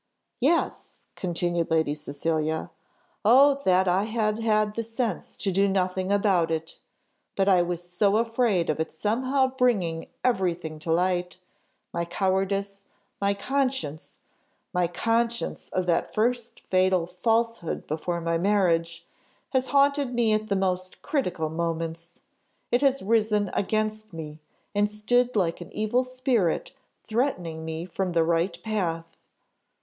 "Yes," continued Lady Cecilia. "O that I had had the sense to do nothing about it! But I was so afraid of its somehow bringing everything to light: my cowardice my conscience my consciousness of that first fatal falsehood before my marriage, has haunted me at the most critical moments: it has risen against me, and stood like an evil spirit threatening me from the right path.